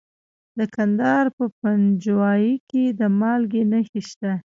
د کندهار په پنجوايي کې د مالګې نښې شته.